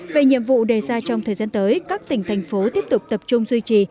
về nhiệm vụ đề ra trong thời gian tới các tỉnh thành phố tiếp tục tập trung duy trì